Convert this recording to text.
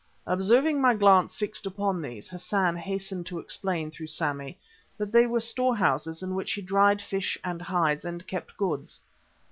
Observing my glance fixed upon these, Hassan hastened to explain, through Sammy, that they were storehouses in which he dried fish and hides, and kept goods.